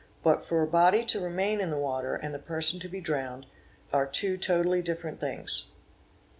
But for a body to remain in the water and the person to be drowned, are two totally different things.